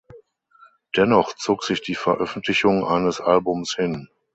Dennoch zog sich die Veröffentlichung eines Albums hin.